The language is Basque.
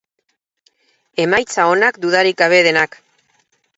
Emaitza onak dudarik gabe denak.